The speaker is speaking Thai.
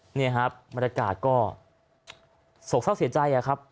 ตอนนี้บรรยากาศก็โฆกษาเสียใจ